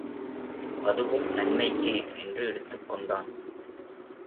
அதுவும் நன்மைக்கே என்று எடுத்துக் கொண்டான்.